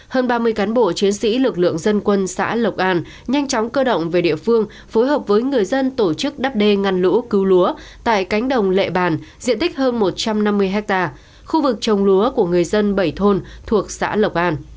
hơn ba mươi cán bộ chiến sĩ lực lượng dân quân xã lộc an nhanh chóng cơ động về địa phương phối hợp với người dân tổ chức đắp đê ngăn lũ cứu lúa tại cánh đồng lệ bàn diện tích hơn một trăm năm mươi ha khu vực trồng lúa của người dân bảy thôn thuộc xã lộc an